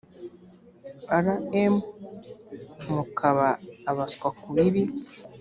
rm mukaba abaswa ku bibi